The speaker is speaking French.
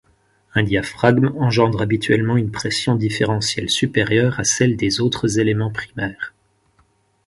Un diaphragme engendre habituellement une pression différentielle supérieure à celle des autres éléments primaires.